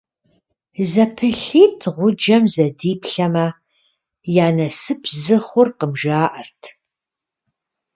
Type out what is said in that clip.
ЗэпылъитӀ гъуджэм зэдиплъэмэ, я насып зы хъуркъым, жаӀэрт.